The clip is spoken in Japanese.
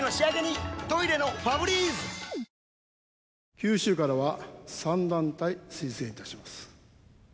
九州からは、３団体推薦いたします。